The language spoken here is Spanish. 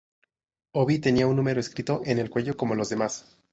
Obi tenía un número escrito en el cuello, cómo los demás.